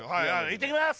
いってきます！